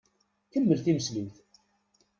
Kemmel timesliwt!